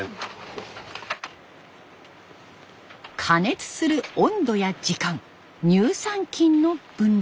加熱する温度や時間乳酸菌の分量。